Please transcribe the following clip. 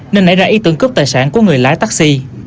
nên nảy ra ý tưởng cướp tài sản của người lái taxi